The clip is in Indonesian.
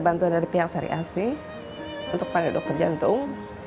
bantuan dari pihak syariah asli untuk pandai dokter jantung